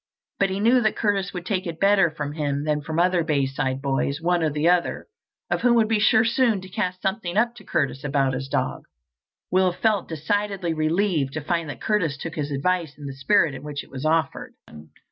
But he knew that Curtis would take it better from him than from the other Bayside boys, one or the other of whom would be sure soon to cast something up to Curtis about his dog. Will felt decidedly relieved to find that Curtis took his advice in the spirit in which it was offered.